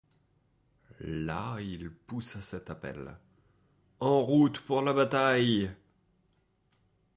Là il poussa cet appel: — En route pour la bataille!